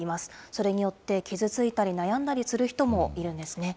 それによって傷ついたり悩んだりする人もいるんですね。